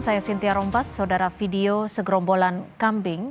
saya sintia rompas saudara video segerombolan kambing